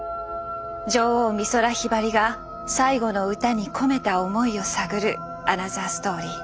女王美空ひばりが最後の歌に込めた思いを探るアナザーストーリー。